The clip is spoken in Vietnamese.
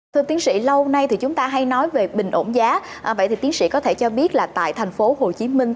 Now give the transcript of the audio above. thưa tiến sĩ lâu nay chúng ta hay nói về bình ổn giá vậy thì tiến sĩ có thể cho biết là tại tp hcm